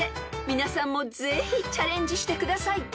［皆さんもぜひチャレンジしてください］